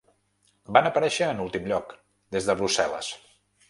Van aparèixer en últim lloc, des de Brussel·les.